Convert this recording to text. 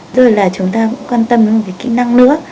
tức là chúng ta cũng quan tâm đến một cái kỹ năng nữa